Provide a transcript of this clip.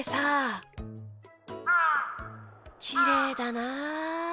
きれいだな。